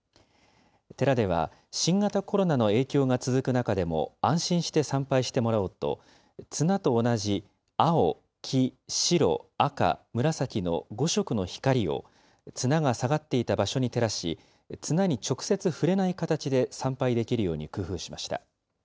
寺では新型コロナの影響が続く中でも安心して参拝してもらおうと、綱と同じ青、黄、白、赤、紫の５色の光を綱が下がっていた場所に照らし、綱に直接触れない形で参拝できるように工夫しました。